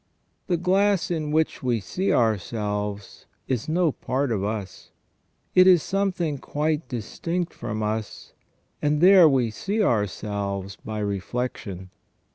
The glass in which we see ourselves is no part of us ; it is some thing quite distinct from us, and there we see ourselves by reflection.